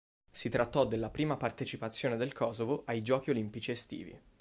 Si trattò della prima partecipazione del Kosovo ai giochi olimpici estivi.